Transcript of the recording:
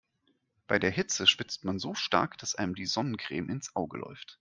Bei der Hitze schwitzt man so stark, dass einem die Sonnencreme ins Auge läuft.